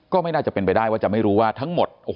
ไม่น่าจะเป็นไปได้ว่าจะไม่รู้ว่าทั้งหมด